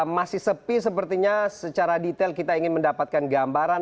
masih sepi sepertinya secara detail kita ingin mendapatkan gambaran